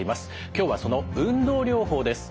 今日はその運動療法です。